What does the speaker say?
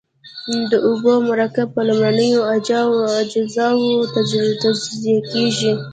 د اوبو مرکب په لومړنیو اجزاوو تجزیه کیږي.